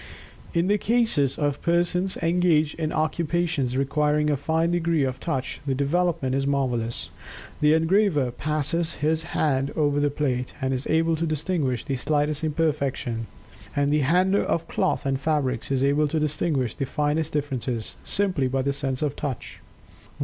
In the cases of persons engaged in occupations requiring a fine degree of Touch, the development is marvelous. The engraver passes his hand over the plate, and is able to distinguish the slightest imperfection. And the handler of cloth and fabrics is able to distinguish the finest differences, simply by the sense of touch.